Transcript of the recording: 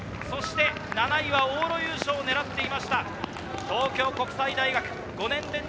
そして７位は往路優勝を狙っていた東京国際大学。